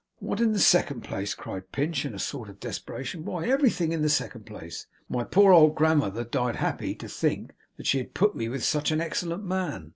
'What in the second place?' cried Pinch, in a sort of desperation, 'why, everything in the second place. My poor old grandmother died happy to think that she had put me with such an excellent man.